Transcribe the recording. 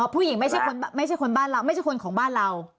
ผู้หญิงไม่ใช่คนบ้านเราไม่ใช่คนของบ้านเรา